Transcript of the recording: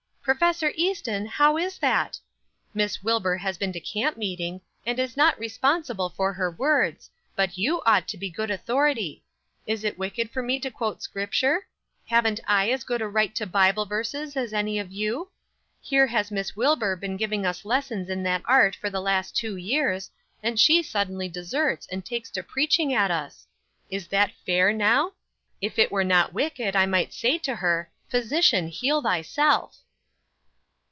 Prof. Easton, how is that? Miss Wilbur has been to camp meeting, and is not responsible for her words, but you ought to be good authority. Is it wicked for me to quote Scripture? Haven't I as good a right to Bible verses as any of you? Here has Miss Wilbur been giving us lessons in that art for the last two years, and she suddenly deserts and takes to preaching at us. Is that fair, now? If it were not wicked I might say to her, 'Physician, heal thyself.'"